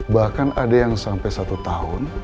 bahkan ada yang sampai satu tahun